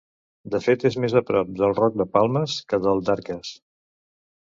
De fet és més a prop del Roc de Palmes que del d'Arques.